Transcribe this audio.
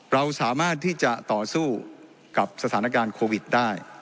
เราสามารถที่จะต่อสู้กับสถานการณ์โควิดได้